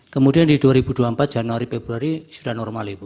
kemudian di dua ribu dua puluh empat januari februari sudah normal ibu